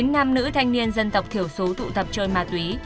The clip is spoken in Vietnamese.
chín nam nữ thanh niên dân tộc thiểu số tụ tập trôn ma túy